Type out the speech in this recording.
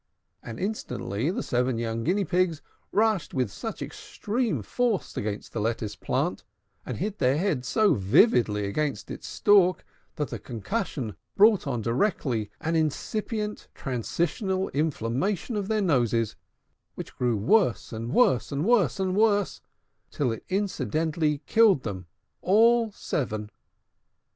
And instantly the seven young Guinea Pigs rushed with such extreme force against the lettuce plant, and hit their heads so vividly against its stalk, that the concussion brought on directly an incipient transitional inflammation of their noses, which grew worse and worse and worse and worse, till it incidentally killed them all seven.